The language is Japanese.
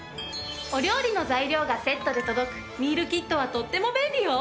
お料理の材料がセットで届くミールキットはとっても便利よ！